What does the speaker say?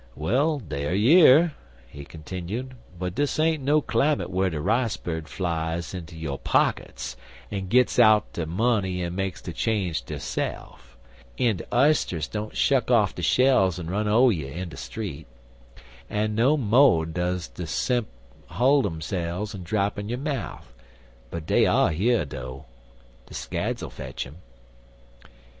"Well, dey er yer," he continued, "but dis ain't no climate whar de rice birds flies inter yo' pockets en gits out de money an' makes de change derse'f; an' de isters don't shuck off der shells en run over you on de street, an' no mo' duz de s'imp hull derse'f an' drap in yo' mouf. But dey er yer, dough. De scads 'll fetch um."